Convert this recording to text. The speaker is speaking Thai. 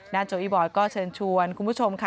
โจอีบอยก็เชิญชวนคุณผู้ชมค่ะ